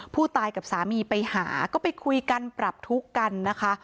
ผู้ตายกับสามีไปหาก็ไปคุยกันปรับทุกข์กันนะคะ